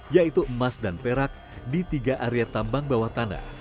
yaitu emas dan perak di tiga area tambang bawah tanah